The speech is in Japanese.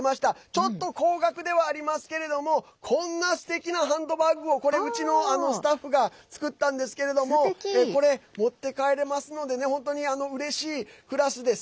ちょっと高額ではありますけどこんなすてきなハンドバッグをこれ、うちのスタッフが作ったんですけれどもこれ、持って帰れますので本当にうれしいクラスです！